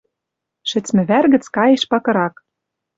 Шӹцмӹ вӓр гӹц каеш пакырак.